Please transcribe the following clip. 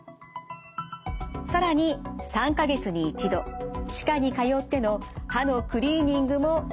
更に３か月に１度歯科に通っての歯のクリーニングも欠かしません。